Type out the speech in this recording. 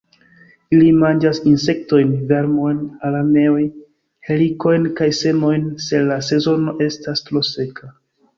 Ili manĝas insektojn, vermojn, araneojn, helikojn kaj semojn, se la sezono estas tro seka.